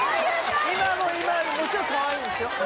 今も今でもちろんかわいいんですよ